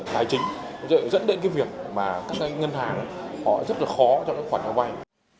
tài chính dẫn đến cái việc mà các ngân hàng họ rất là khó trong các khoản trang vai